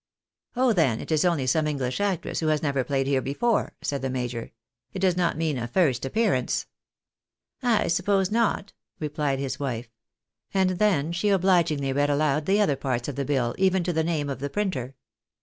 " Oh ! then, it is only some English actress who has never played here before," said the major. " It does not mean a first appear ance." " I suppose not," replied his wife. And then she obhgingly read aloud the other parts of the bill, even to the name of the printer.